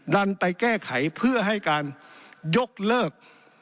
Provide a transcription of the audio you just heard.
ดันไปแก้ไขเพื่อให้การยกเลิก